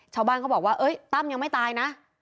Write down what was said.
ชาวบ้านเขาบอกว่าตั้มยังไม่ตายนะ